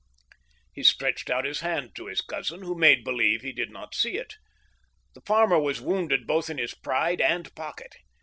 He stretched out his hand to his cousin, who made believe he did not see it. The farmer was wounded both in his pride and pocket.